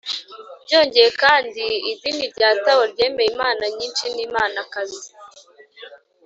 byongeye kandi, idini rya tao ryemeye imana nyinshi n’imanakazi